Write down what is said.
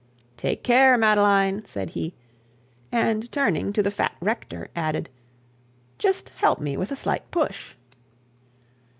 'Take care, Madeline,' said he; and turning to the fat rector, added, 'Just help me with a slight push.'